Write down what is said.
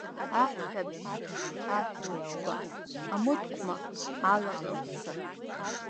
Аҳәҳәабжь, аҳәҳәабжьқәа, амыткәма, алаӷырӡ-ца…